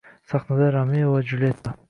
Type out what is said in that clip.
Sahnada “Romeo va Juletta”